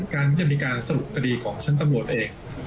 การที่จะมีการสรุปคดีของชั้นตำรวจเอก